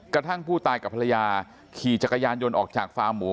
กระทั่งผู้ตายกับภรรยาขี่จักรยานยนต์ออกจากฟาร์มหมู